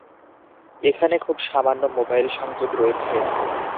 এখানে খুব সামান্য মোবাইল সংযোগ রয়েছে।